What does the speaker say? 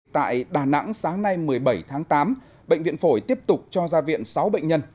tại đà nẵng sáng nay một mươi bảy tháng tám bệnh viện phổi tiếp tục cho ra viện sáu bệnh nhân